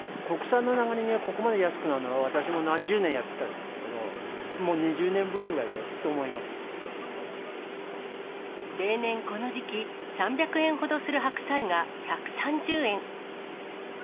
国産の長ネギがここまで安くなるのは、私も何十年やってますけど、もう２０年ぶりぐらいだと思いま例年、この時期、３００円ほどする白菜が１３０円。